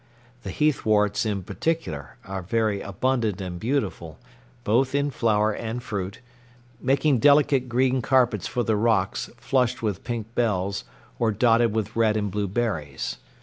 The heathworts in particular are very abundant and beautiful, both in flower and fruit, making delicate green carpets for the rocks, flushed with pink bells, or dotted with red and blue berries.